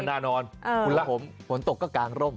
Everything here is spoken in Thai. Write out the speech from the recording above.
แล้วคนล่ะฝนตกตกก็กางรม